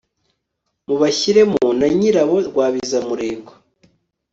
mubashyiremo na nyirabo rwabizamurego